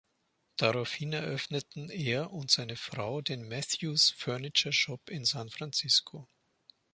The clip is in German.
Daraufhin eröffneten er und seine Frau den Mathews Furniture Shop in San Francisco.